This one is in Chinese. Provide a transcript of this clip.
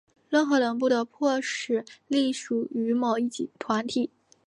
任何人不得迫使隶属于某一团体。